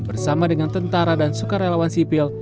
bersama dengan tentara dan sukarelawan sipil